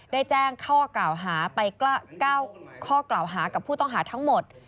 ได้แจ้งข้อกล่าวหากับผู้ต้องหาทั้งหมด